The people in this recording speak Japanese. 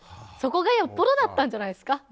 そこがよっぽどだったんじゃないですか？